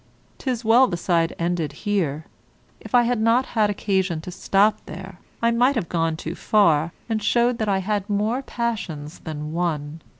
'Tis well the side ended here. If I had not had occasion to stop there, I might have gone too far, and showed that I had more passions than one.